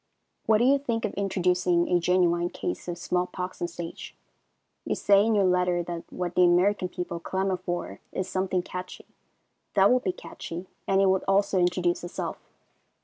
What do you think of introducing a genuine case of small pox on the stage? You say in your letter that what the American people clamor for is something "catchy." That would be catchy, and it would also introduce itself.